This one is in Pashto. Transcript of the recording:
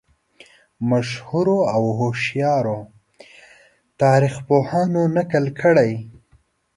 مشهورو او هوښیارو تاریخ پوهانو نقل کړې.